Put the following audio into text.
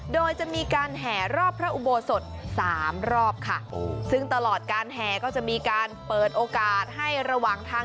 โดยจะมีการแห่รอบพระอุโบสถสามรอบค่ะซึ่งตลอดการแห่ก็จะมีการเปิดโอกาสให้ระหว่างทาง